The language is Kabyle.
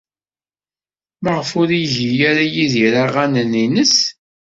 Maɣef ur igi ara Yidir aɣanen-nnes?